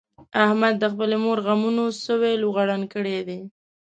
احمد د خپلې مور غمونو سوی لوغړن کړی دی.